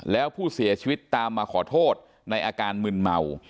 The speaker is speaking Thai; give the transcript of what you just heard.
แล้วผู้เสียชีวิตตามมาขอโทษในอาการมึนเมา